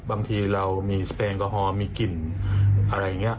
บางทีเรามีสเปลกอฮอลมีกลิ่นอะไรอย่างนี้